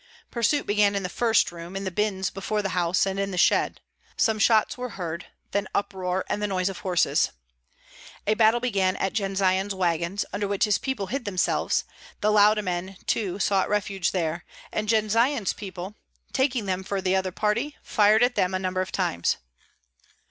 Pursuit began in the first room, in the bins before the house, and in the shed. Some shots were heard; then uproar and the noise of horses. A battle began at Jendzian's wagons, under which his people hid themselves; the Lauda men too sought refuge there, and Jendzian's people, taking them for the other party, fired at them a number of times.